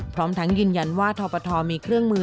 พร้อมทั้งยืนยันว่าทปทมีเครื่องมือ